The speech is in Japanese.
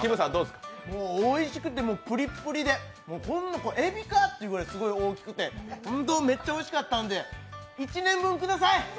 おいしくてもう、プリプリでこんなえびかってくらいすごく大きくてホントめっちゃおいしかったんで、１年分ください。